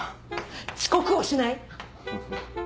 遅刻をしない。